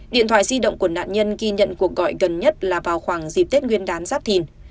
điện thoại di động của nạn nhân ghi nhận cuộc gọi gần nhất là vào khoảng dịp tết nguyên đán giáp thìn